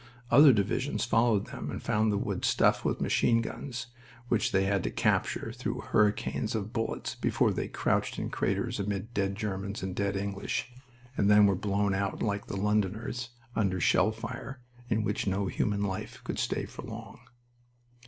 Other divisions followed them and found the wood stuffed with machine guns which they had to capture through hurricanes of bullets before they crouched in craters amid dead Germans and dead English, and then were blown out like the Londoners, under shell fire, in which no human life could stay for long.